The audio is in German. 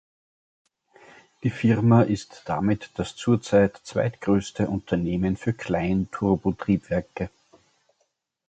Die Firma ist damit das zurzeit zweitgrößte Unternehmen für Klein-Turbotriebwerke.